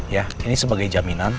ya ini sebagai jaminan